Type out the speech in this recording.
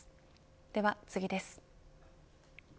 では次です。